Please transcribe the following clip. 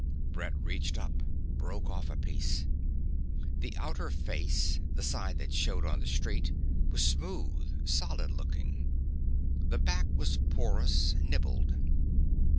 Brett reached up, broke off a piece. The outer face the side that showed on the street was smooth, solid looking. The back was porous, nibbled.